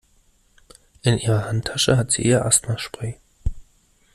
In ihrer Handtasche hat sie ihr Asthmaspray.